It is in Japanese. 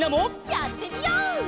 やってみよう！